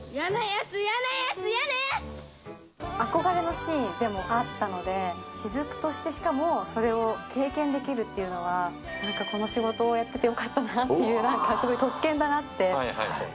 やつ、やなや憧れのシーンでもあったので、雫として、しかもそれを経験できるっていうのは、なんかこの仕事をやっててよかったなっていう、なんか、すごい特権だなっていう。